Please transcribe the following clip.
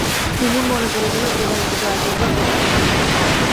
কুমুর মনে পড়ে গেল, এ বাড়িতে দয়া করবার পথ সংকীর্ণ।